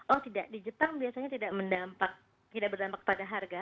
oh tidak di jepang biasanya tidak berdampak pada harga